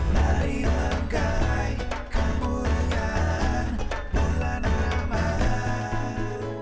marilah kemuliaan kemuliaan bulan ramadhan